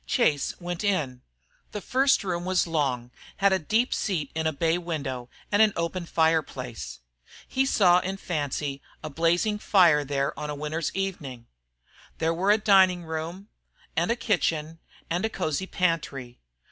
Chase went in. The first room was long, had a deep seat in a bay window and an open fire place. He saw in fancy a fire blazing there on a winter's evening. There were a dining room, and kitchen, and a cosey pantry.